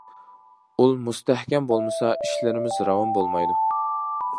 ئۇل مۇستەھكەم بولمىسا، ئىشلىرىمىز راۋان بولمايدۇ.